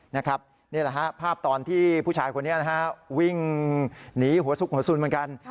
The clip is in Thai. นี่แหละภาพตอนที่ผู้ชายคนนี้วิ่งหนีหัวสุดเหมือนกัน